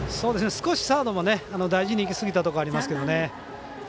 少しサードも大事にいきすぎたところありますけどね。